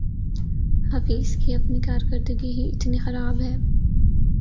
حفیظ کی اپنی کارکردگی ہی اتنی خراب ہے